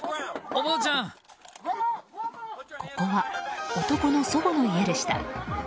ここは男の祖母の家でした。